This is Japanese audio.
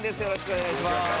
よろしくお願いします。